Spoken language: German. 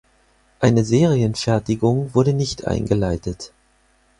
Eine Serienfertigung wurde nicht eingeleitet.